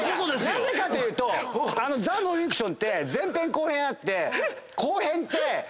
なぜかというと『ザ・ノンフィクション』って前編後編あって。